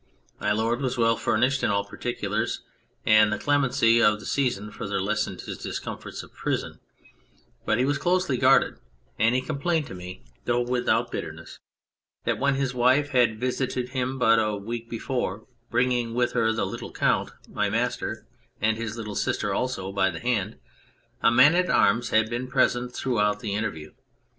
My Lord was well furnished in all particulars, and the clemency of the season further lessened his dis comforts of prison, but he was closely guarded, and he complained to me, though without bitterness, 91 On Anything that when his wife had visited him but a week before, bringing with her the little Count, my master, and his little sister also by the hand, a man at arms had been present throughout their inter view.